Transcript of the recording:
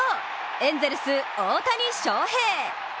エンゼルス・大谷翔平。